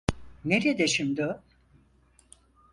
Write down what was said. Nerede şimdi o?